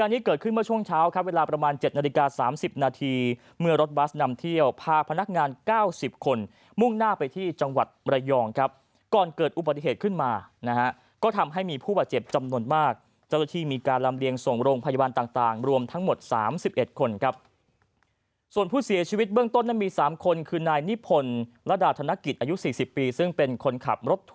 นี้เกิดขึ้นเมื่อช่วงเช้าครับเวลาประมาณ๗นาฬิกา๓๐นาทีเมื่อรถบัสนำเที่ยวพาพนักงาน๙๐คนมุ่งหน้าไปที่จังหวัดระยองครับก่อนเกิดอุบัติเหตุขึ้นมานะฮะก็ทำให้มีผู้บาดเจ็บจำนวนมากเจ้าหน้าที่มีการลำเลียงส่งโรงพยาบาลต่างรวมทั้งหมด๓๑คนครับส่วนผู้เสียชีวิตเบื้องต้นนั้นมี๓คนคือนายนิพนธ์ระดาธนกิจอายุ๔๐ปีซึ่งเป็นคนขับรถท